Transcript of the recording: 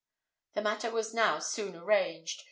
The matter was now soon arranged.